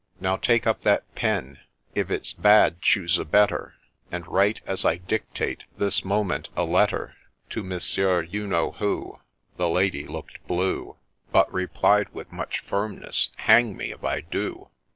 — Now take up that pen, — if it 's bad choose a better, — And write, as I dictate, this moment a letter To Monsieur — you know who !' The Lady look'd blue ; But replied with much firmness —' Hang me if I do